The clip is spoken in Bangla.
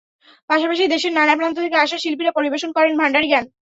পাশাপাশি দেশের নানা প্রান্ত থেকে আসা শিল্পীরা পরিবেশন করেন ভাণ্ডারি গান।